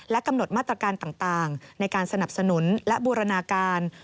กำหนดมาตรการต่างในการสนับสนุนและบูรณาการ